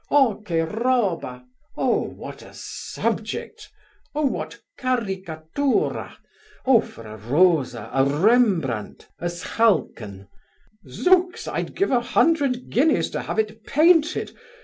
O, che roba! O, what a subject! O, what caricatura! O, for a Rosa, a Rembrandt, a Schalken! Zooks, I'll give a hundred guineas to have it painted!